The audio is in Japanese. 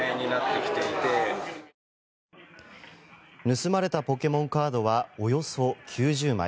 盗まれたポケモンカードはおよそ９０枚。